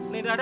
nih ini ada